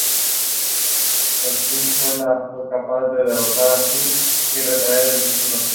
Francisco Pizarro propuso el reconocimiento de esas tierras y la conquista de sus riquezas.